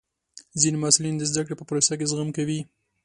ځینې محصلین د زده کړې په پروسه کې زغم کوي.